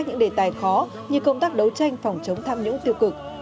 những đề tài khó như công tác đấu tranh phòng chống tham nhũng tiêu cực